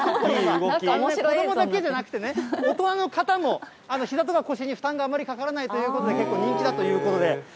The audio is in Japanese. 子どもだけじゃなくて、大人の方もひざとか腰にあまり負担がかからないということで、結構人気だということで。